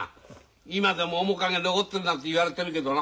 今でも面影残ってるなんて言われてるけどな。